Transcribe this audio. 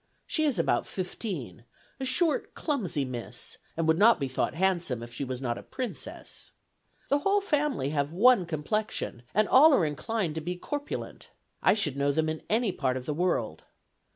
She is about fifteen; a short, clumsy miss, and would not be thought handsome if she was not a princess. The whole family have one complexion, and all are inclined to be corpulent. I should know them in any part of the world.